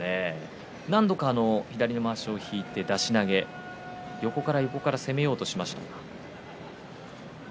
何度か左のまわしを引いて出し投げ、横から横から攻めようとしましたが。